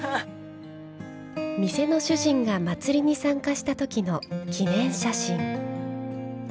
店の主人が祭りに参加した時の記念写真。